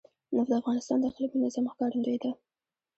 نفت د افغانستان د اقلیمي نظام ښکارندوی ده.